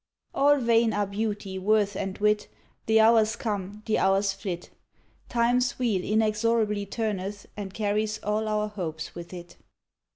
All vain are beauty, worth, and wit, The hours come, the hours flit ; Time's wheel inexorably turneth, And carries all our hopes with it.